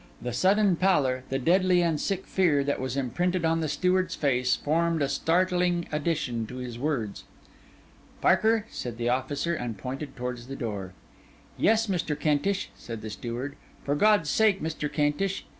The sudden pallor, the deadly and sick fear, that was imprinted on the steward's face, formed a startling addition to his words. 'Parker!' said the officer, and pointed towards the door. 'Yes, Mr. Kentish,' said the steward. 'For God's sake, Mr. Kentish!